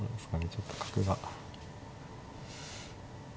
ちょっと角が。